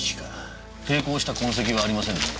抵抗した痕跡はありませんね。